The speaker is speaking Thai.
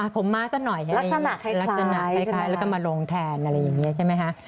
ผมม้าก็หน่อยเห็นลักษณะคล้ายแล้วก็มาลงแทนอะไรอย่างนี้ใช่ไหมคะ